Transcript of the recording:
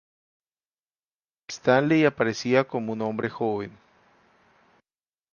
Stanley aparecía como un hombre joven.